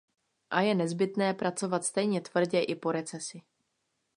A je nezbytné pracovat stejně tvrdě i po recesi.